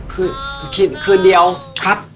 คือคืนเดียวครับ